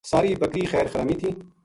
سار ی بکری خیر خرامی تھی